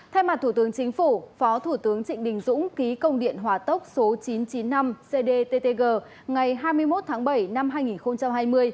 thay mặt thủ tướng chính phủ phó thủ tướng trịnh đình dũng ký công điện hòa tốc số chín trăm chín mươi năm cdttg ngày hai mươi một tháng bảy năm hai nghìn hai mươi